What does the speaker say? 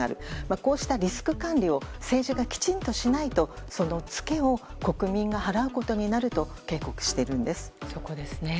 こうしたリスク管理を政治がきちんとしないとそのツケを国民が払うことになると警告しているんです。